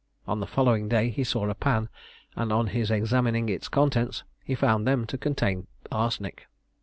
On the following day he saw a pan, and on his examining its contents he found them to contain arsenic.